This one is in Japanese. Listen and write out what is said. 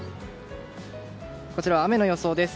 こちら、雨の予想です。